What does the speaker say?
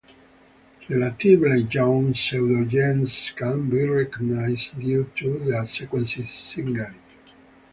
Relatively young pseudogenes can be recognized due to their sequence similarity.